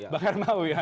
bang hermawi ya